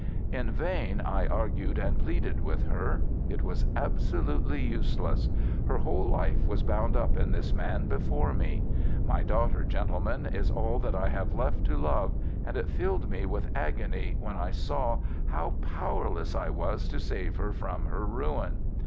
"In vain I argued and pleaded with her. It was absolutely useless. Her whole life was bound up in this man before me. My daughter, gentlemen, is all that I have left to love, and it filled me with agony when I saw how powerless I was to save her from her ruin.